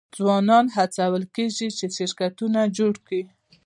ځوانان هڅول کیږي چې شرکتونه جوړ کړي.